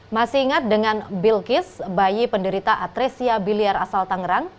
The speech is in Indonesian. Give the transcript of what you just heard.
masih ingat dengan bilkis bayi penderita atresia biliar asal tangerang